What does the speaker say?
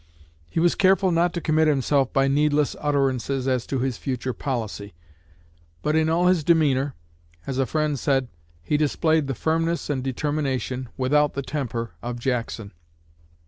He was careful not to commit himself by needless utterances as to his future policy; but in all his demeanor, as a friend said, he displayed the firmness and determination, without the temper, of Jackson.